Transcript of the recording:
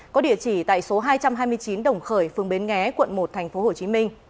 có địa chỉ tại số hai trăm hai mươi chín đồng khởi phường bến nghé quận một tp hcm